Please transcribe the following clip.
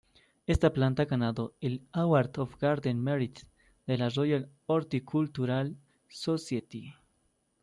Esta planta ha ganado el Award of Garden Merit de la Royal Horticultural Society.